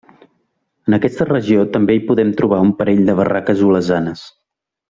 En aquesta regió també hi podem trobar un parell de barraques olesanes.